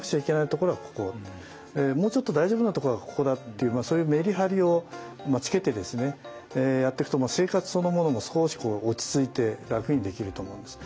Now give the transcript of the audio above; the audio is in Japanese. ところはここもうちょっと大丈夫なとこはここだっていうそういうメリハリをつけてですねやっていくと生活そのものも少し落ち着いて楽にできると思うんです。